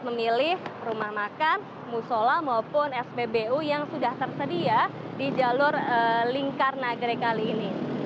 memilih rumah makan musola maupun spbu yang sudah tersedia di jalur lingkar nagrek kali ini